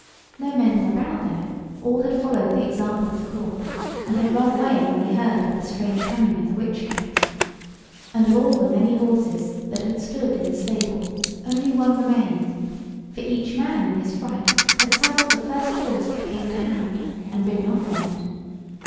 No men were about there—all had followed the example of the Court, and had run away when they heard of the strange coming of the witch Cat. And of all the many horses that had stood in the stable only one remained, for each man in his fright had saddled the first horse that came to hand and ridden off on it.